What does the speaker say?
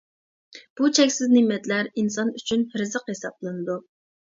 بۇ چەكسىز نېمەتلەر ئىنسان ئۈچۈن رىزىق ھېسابلىنىدۇ.